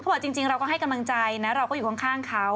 บอกจริงเราก็ให้กำลังใจนะเราก็อยู่ข้างเขา